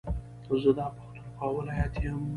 زه دا پښتونخوا ولايت يم